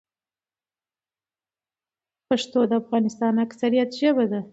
پښتو د افغانستان اکثريت ژبه ده.